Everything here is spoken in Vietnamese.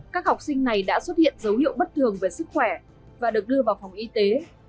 các học sinh này đã xuất hiện dấu hiệu bất thường về sức khỏe